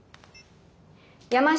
山下